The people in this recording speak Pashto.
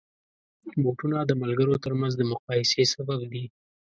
بوټونه د ملګرو ترمنځ د مقایسې سبب دي.